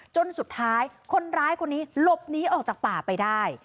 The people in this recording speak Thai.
จนสุดท้ายคนร้ายคนนี้หลบหนีออกจากป่าไปได้